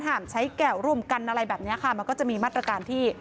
ใช้แก่วร่วมกันอะไรแบบนี้ค่ะมันก็จะมีมาตรการที่